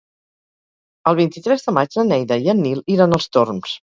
El vint-i-tres de maig na Neida i en Nil iran als Torms.